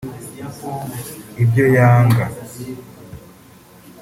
ibyo yanga